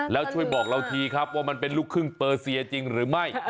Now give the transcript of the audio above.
แล้วช่วยบอกเราทีครับว่ามันเป็นลูกครึ่งเปอร์เซียจริงหรือไม่